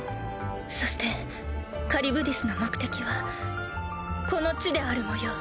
そしてカリュブディスの目的はこの地であるもよう。